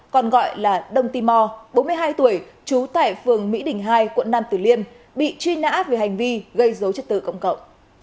còn gọi là đông tì mò bốn mươi hai tuổi trú tại phường mỹ đình hai quận năm từ liêm bị truy nã về hành vi gây dấu chất tử công cậu